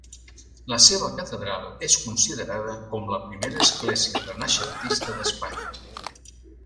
La seva catedral és considerada com la primera església renaixentista d'Espanya.